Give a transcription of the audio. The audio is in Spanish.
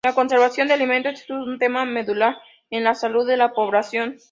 La conservación de alimentos es un tema medular en la salud de la población.